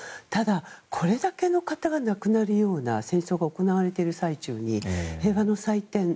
ただ、これだけの方が亡くなるような戦争が行われている最中に平和の祭典。